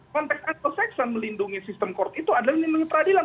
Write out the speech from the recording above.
konteks anglo saxon melindungi sistem court itu adalah melindungi peradilan